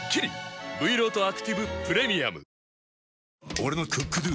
俺の「ＣｏｏｋＤｏ」！